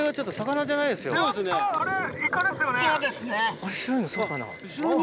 あの白いのそうかな。